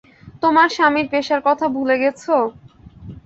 তোমার স্বামীর পেশার কথা ভুলে গেছ?